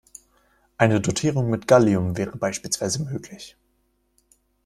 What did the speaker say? Eine Dotierung mit Gallium wäre beispielsweise möglich.